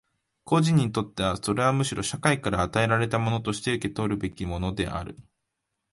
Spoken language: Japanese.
個人にとってはそれはむしろ社会から与えられたものとして受取らるべきものである。